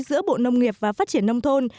giữa bộ nông nghiệp và phát triển nông thôn